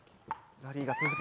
ラリーが続く。